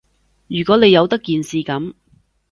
如果你由得件事噉